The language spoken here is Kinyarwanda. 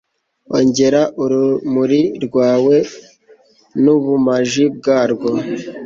Ongera urumuri rwawe nubumaji bwarwo